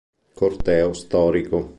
Corteo storico